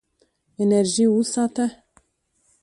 انرژي وساته.